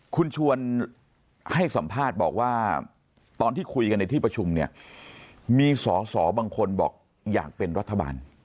คุณชวนให้สัมภาษณ์บอกว่าตอนที่คุยกันในที่ประชุมเนี่ยมีสอสอบางคนบอกอยากเป็นรัฐบาล